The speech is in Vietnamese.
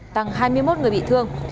tăng hai mươi một người bị thương